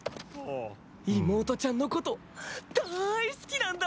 妹ちゃんのことだーい好きなんだね！